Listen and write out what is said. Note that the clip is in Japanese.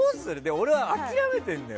俺は諦めてるんだよ。